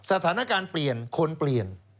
สถานการณ์เปลี่ยนคนเปลี่ยน